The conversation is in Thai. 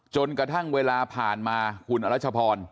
จนกระทั่งเวลาผ่านมาคุณอรัชพร